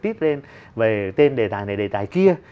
tít lên về tên đề tài này đề tài kia